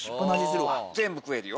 全部食えるよ。